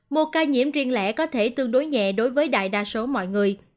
một ca nhiễm riêng lẻ có thể tương đối nhẹ đối với đại đa số mọi người